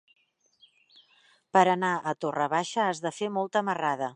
Per anar a Torre Baixa has de fer molta marrada.